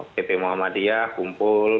pt muhammadiyah kumpul